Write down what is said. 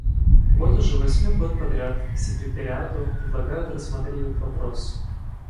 Вот уже восьмой год подряд Секретариату предлагают рассмотреть этот вопрос.